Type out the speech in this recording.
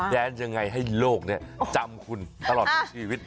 แนนยังไงให้โลกจำคุณตลอดทั้งชีวิต